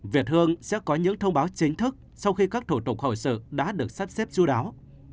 việt hương sẽ có những thông báo chính thức sau khi các thủ tục hồi sự đã được sắp xếp chú đáo